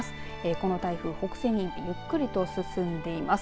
この台風北西にゆっくりと進んでいます。